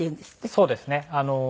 そうですね。